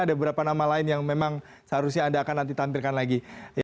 ada beberapa nama lain yang memang seharusnya anda akan nanti tampilkan lagi